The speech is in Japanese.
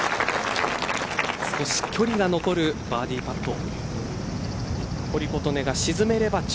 少し距離が残るバーディーパット。